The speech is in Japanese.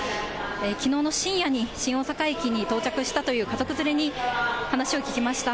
きのうの深夜に新大阪駅に到着したという家族連れに話を聞きました。